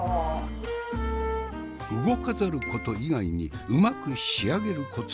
動かざること以外にうまく仕上げるコツをもう一つ。